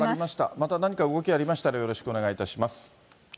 また何かありましたら、よろしくお願いいたします。